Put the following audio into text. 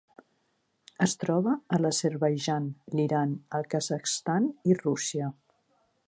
Es troba a l'Azerbaidjan, l'Iran, el Kazakhstan i Rússia.